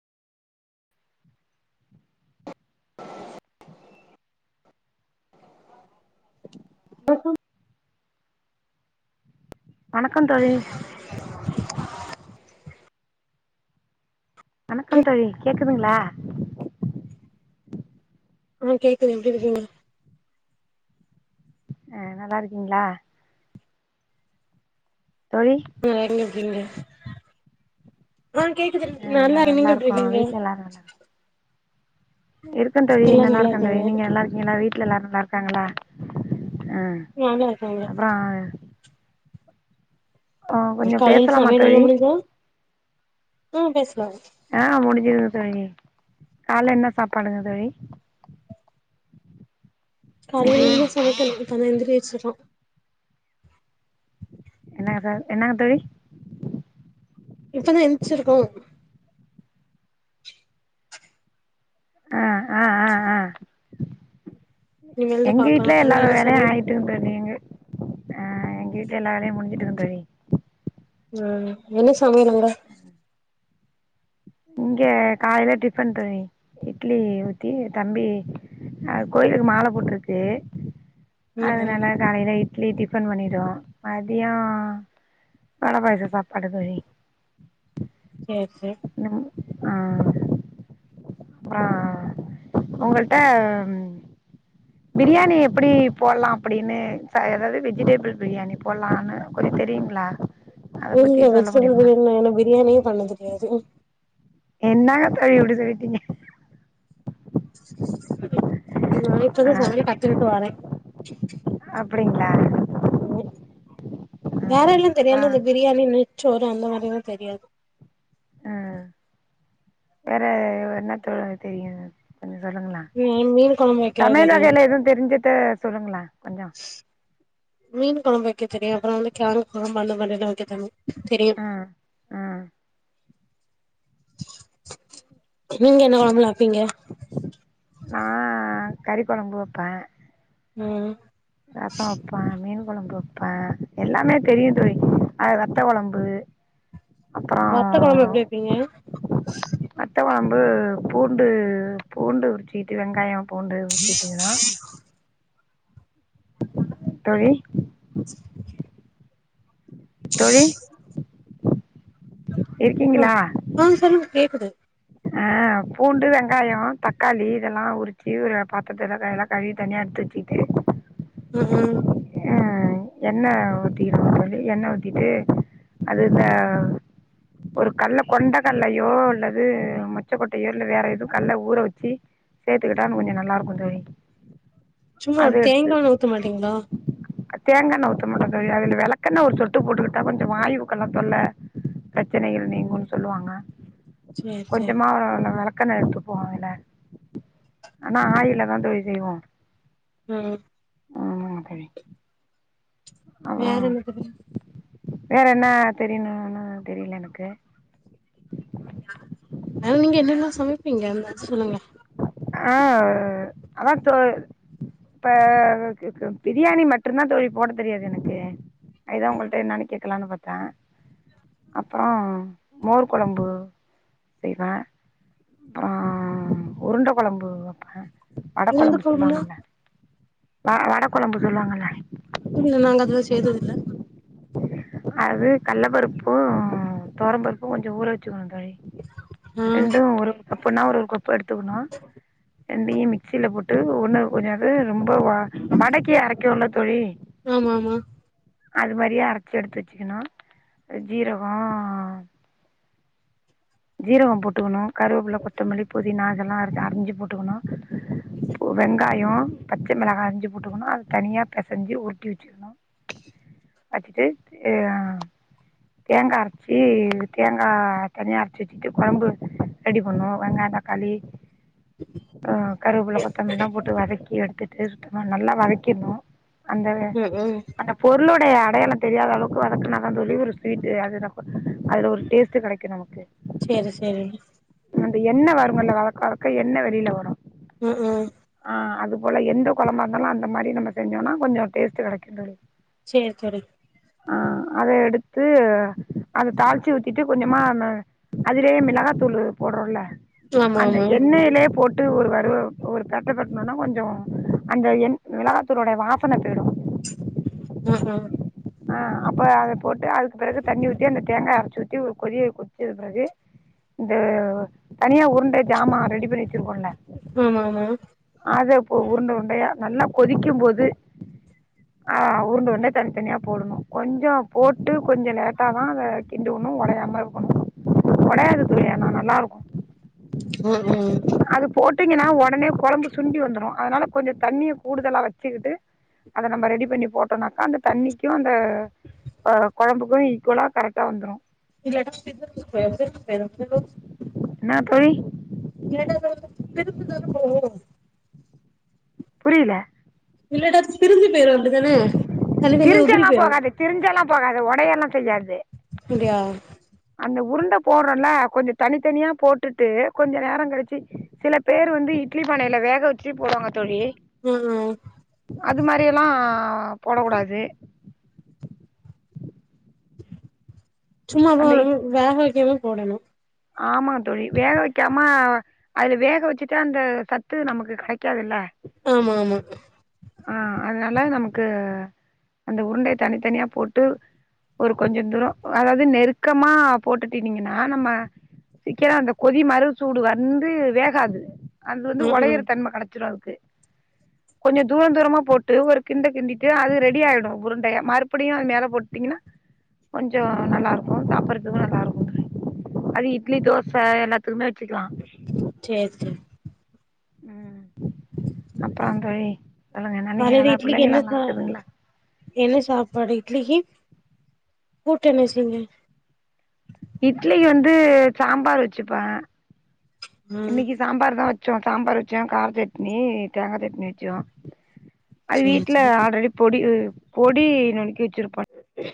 [unintelligible] வணக்கம் தோழி வணக்கம் தோழி கேக்குதுங்களா ஆஹ கேக்குது எப்டி இருக்கீங்க அஹ நல்லா இருக்கீங்களா தோழி இப்ப எங்க இருக்கிங்க ஹம் கேக்குது ஆ நல்லா நாங்க நீங்க இருக்கோ எப்புடுருக்கீங்க இருக்க தோழி நல்லா இருக்கேன் இருக்காங்க தோழி நீங்க நல்லா இருக்கீங்களா வீட்டுல எல்லாரும் நல்லா ங்கலா ஆஹ நல்லா இருக்காங்க அப்பறம் கொஞ்சோ காலேல பேசலாமா சமயல் வேல தோழி முடிஞ்சுதா ஹும் பேசு ஆஹ முடிஞ் இருங்க தோழி கால்ல என்ன சாப்பாடுங்க தோழி இன்னைக்கு காலையிருந்து சமைக்கணும் தம்பி எந்திரி வச்சறான் என்னகு என்னாங்க தோழி இப்பதான் எந்தச்சிருக்கோம் ஆஹ ஆஹ ஆஹ ஆஹ இனிமேல் தா எங்க பாக்கணு வீட்டுலயும் அங்க எல்லாரும் என்ன வேலையும் சமையல் ஆயிட்டுன்றது நீங்க ஆஹ எங்க வீட்டுல எல்லா வேலயும் முடிஞ்சுட்டு இருக்கு தோழி ஆஹ என்ன சமையல் அங்க இங்க காலேல டிஃபன் தோழி இட்லி ஊத்தி தம்பி அஹ கோயிலுக்கு மாலை போட்டுருக்கு ம் ம் அதுனால்ல காலேல இ இட்லி டிஃபன் பண்ணிடுவோம் மதியோம் வட பாயசம் சாப்பாடு தோழி சேர் சேர் ஆஹ ஆஹ உங்கள்ட பிரியாணி எப்படி போடலாம் அப்படின்னு ஏதாவது வெஜிடேபிள் பிரியாணி போடலான்னு கொஞ்சம் தெரியுங்ளா இல்ல வெஜிடபிள் பிரியாணி ஏன்ன பிரியாணியே பண்ண யாது என்னங்க தோழி இப்படி சொல்லிடீங்க நா இப்ப தான் சமயல் கத்துகிட்டு வறேன் அப்டிங்களா உஹ வேற எல்லாம் அப்புறம் தெரியாது பிரியாணி நிச்சோ அந்த மாரிலா தெரியாது ஹ வேற என்ன த தெரியும் சொல்லுங்கலே ம் மீன் கொழம்பு வைக்க தமிழ் தெரியு வகையில எதுவும் தெரிஞ்சுட்டு சொல்லுங்கலே மீன் கொழம்பு வைக்க தெரியும் அப்புறம் வந்து கேரட் கொழம்பு அந்த மாரி லா வைக்க தெரியும் ம் ம் நீங்க என்ன குழம்புலா வப்பீங்க நா கறி கொழம்பு வப்பே ஹம் ரசம் வப்பேன் மீன் கொழம்பு வப் வப்ப எல்லாமே தெரியும் தோழி ஆ வத்த குழம்பு வத்த கொழம்பு எப்டி வப்பீங்க ரொம்ப பூண்டு பூண்டு உரிச்சிக்கிட்டு வெங்காயோ பூண்டு உரிச்சிட்டிங்கன்னா [inaudible] தோழி ச தோழி [unintelligible] இருக்கீங்களா ஹ சொல்லுங்க கேக்குது ஆஹ் பூண்டு வெங்காயம் தக்காளி இதெல்லாம் உரிச்சு ஒரு பாத்தத்ததெல்லாம் கழுவி தனியா எடுத்து வச்சுக்கிட்டு உம் ஹ எண்ண ஊத்திகுனு தோழி எண்ண ஊத்திட்டு அது இந்த ஒரு கடல கொண்ட கடலயோ அல்லது மொச்சக்கொட்டையோ இல்ல வேற எதும் கடலஊற வச்சு சேர்த்துக்கிட்டானு கொஞ்சோ நல்லா இருக்கும் தோழி சும்மா தேங்காண்ண ஊத்த மாட்டீங்களா தேங்காண்ண ஊத்த மாட்டேம் அதுல விளக்கெண்ண ஒரு சொட்டு போட்டுக்கிட்டா கொஞ்சோ வாய்வுக்கெல்லாம் தொல்ல பிரச்சனகள் நீங்குன்னு சொல்லுவாங்க சேரி சேரி கொஞ்சமா ஒரு விளக் பக்கன எடுத்து போவாங்கல்ல ஆனா ஆயில தான் தோழி செய்வோம் உம் உம் தோழி வேற என்ன தோழி வேற என்ன தெரியணும்ன்னு தெரியல எனக்கு ஆ நீங்க என்னெல்லாம் சமைப்பீங்க எதாச்சும் ஆஹ் அதா தோ இப்ப பிரியாணி மட்டும் தான் தோழி போட தெரியாது எனக்கு அதுதான் உங்கள்ட்ட நான் கேட்டா லானு பாத்தேன் அப்புறம் மோர் கொழம்பு செய்வேன் அப்ரோ உருட் மீன் கொழம்பு வைப்பேன் வட கொழம்புனா வட கொழம்பு சொல்லுவாங்கல்ல இல்ல நாங்க அதெல்லாம் செய்றதுல அது கடல பருப்பு தொவரம் பருப்பு கொஞ்சோ ஊற வச்சு ம் தி ஆ ரெண்டும் ஒரு கப்புன ஒரு கப் எடுத்துக்கணும் ரெண்டையுமை மிக்சில போட்டு ஒண்ணு கொஞ்சோ எடுத்து ரொம்ப வடக்கை அரைக்க உள்ளது தோழி ஆமா ஆமா அது மாதிரியா அரை எடுத்து வச்சுக்கணு அ ஜீரகம் ஜீரகம் போட்டுக்கணும் கருவெப்புல கொத்தமல்லி புதினா அதெல்லாம் அறிஞ்சு போ ட்டுக்கணும் இப்ப வெங்காயம் பச்சை மிளகா அரைச்சு போட்டுக்கணும் அது தனியா பிசைஞ்சி உருட்டி வச்சுக்கணும் வச்சுட்டு தேங்கா அரைச்சு தேங்காய் தனியா அ சிட்டு குழம்பு அ ரெடி பண்ணும் வெங்காய தக்காளி ஆஹ் கருவப்பிள்ள கொத்தமல்லி எல்லாம் போட்டு வதக்கி எடுத்துட் [unintelligible] நல்லா வதக்கிறணும் அந்த ம் ம் அந்த பொருளோட [unintelligible] அடயாளம் தெரியாத அளவுக்கு வதக்ணாதா தொல்லி ஒருஸ்வீட் அது அதுல ஒரு டேஸ்ட் கெடைக்கும் நமக்கு சேரி சேரி அந்த என்ன வருமல வளக்க வளக்க என்ன வெளியில வரும் உஹம் உம் ஆ அது போல எந்த குழம்பா இருந்தாலும் அ மாரி நம்ம செஞ்சம்னா கொஞ்சம் டேஸ்ட கெடைக்கும் தோழி சேர் செரு ஆஹ் அத எடுத்து அத தாளிச்சு ஊத்திட்டு கொஞ்சமா அதுலே மிளகாத்தூள் போடுறோம்ல ஆமா அந்த ஆமா எண்ணெய்லே போட்டு ஒரு வரும் ஒரு பெட்டை பெட்டணன்னா கொஞ்சம் அந்த என் மிளகாத்தூளுடைய வாசன போயிடும் அஹ் ஆஹ் ஆஹ் அப்ப ஆ போட்டு அதுக்கு பிறகு தண்ணி ஊத்தி அந்த தேங்காய அரச்சு ஊத் ஒரு கொதிய கொதிச்சது பிறகு இந்த தனிய உண்டை சாமான் ரெடி பண்ணி வச்சிருக்கோம்ல ஆமா ஆமா அதப்ப உருண்டை உருண்டயா நல்லா கொதிக்கும் போது ஆஹ் உருண்ட உருண்டயா தனித்தனியா போடணும் கொஞ்சம் போட்டு கொஞ்சம் லேட்டா தான் அத கிண்டோணும் உடயாம இருக்கணும் உடையாதுக்கு இல்லயனா நல்லா இருக்கும் உஹம் உஹம் விட்டீங்கன்னா உடனே கொழம்பு சுண்டி வந்துடும் அதனால கொஞ்சம் தண்ணிய கூடுதலாக வச்சுக்கிட்டு அத நம்ம ரெடி பண்ணி போட்டோம்னாக்கா அந்த தண்ணி அந்த கொழம்புக்கும் ஈக்குவலா கரெக்டா வந்துரும் இல்லன்னா ஆ தோழி எட த பெருப்புதான போவு புரியல பள்ளட திருந்த [unintelligible] தனி தனியா உதிரி போயிரும் கையல்லாம் செய்யாது அப்டியா அந்த உருண்ட போடுறல்ல கொஞ்சம் தனித்தனியா போட்டுட்டு கொஞ்சம் நேரம் கழிச்சி சில பேர் வந்து இட்லி பானையில வேக வச்சி போடுவாங்க தோழி ஆ ஆ அது மாரி எல்லாம் போடக் கூடாது சும்மா வா அந்த வேக வக்கனும் போடணும் ஆமா தோழி வேக வக்காம அதுல வேக வச்சுட்டா அந்த சத்து நமக்கு கெடை க்காதுல ஆமா ஆமா ஆஹ் அதனால நமக்கு அந்த உருண்டை தனித்தனியா போட்டு ஒரு கொஞ்சம் தூரம் அதாவது நெருக்கமா போட்டுட்டனீங்கன்னா நம்ம சீக்கிரம் அந்த கொதி மரு சூடு வந்து வேகாது அது வந்து ம் உடையிற ம் தன்மை கிடச்சிடும் அது கொஞ்சம் தூரம் தூரமா போட்டு ஒரு கிண்டு கிண்டிட்டு அது ரெடி ஆயிடும் உருண்டைய மறுபடியும் அது மேல போட்டீங்கன்னா கொஞ்சே நல்லா இருக்கும் சாப்படுறதுக்கும் நல்லா இருக்கும் அது இட்லி தோசை எல்லத்துக்குமே சேரி சேரி உம் அப்றோ தோழி சொல்லுங்கனா நீங்க காலைல நல்லா இட்லிக்கு என்ன பிள்ளைங்ககெல்லாம் சா இருக்குதுங்களா என்ன சாப்பாடு இட்லிக்கு கூட்டு என்ன செஞ்ச இட்லி வந்து சாம்பார் வச்சிப்பேன் ஆ இன்னைக்கு சாம்பார் தான் வச் வச்சோம் சாம்பார் வச்சோம் கார சட்னி தேங்காய் சட்னி வச்சோம் அது சேரி வீட்ல சேரி ஆல்ரெடி பொடி பொடி நொணக்கி வச்சிருப்பன்